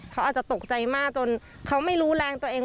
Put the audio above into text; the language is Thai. เขาอาจจะตกใจมากจนเขาไม่รู้แรงตัวเอง